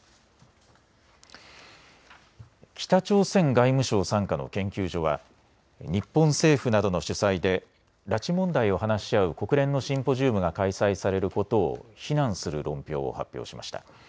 北朝鮮外務省傘下の研究所は日本政府などの主催で拉致問題を話し合う国連のシンポジウムが開催されることを非難する論評を発表しました。